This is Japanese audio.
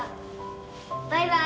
バイバイ！